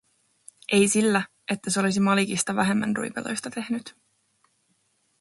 Ei sillä, että se olisi Malikista vähemmän ruipeloista tehnyt.